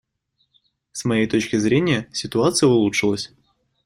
С моей точки зрения, ситуация улучшилась.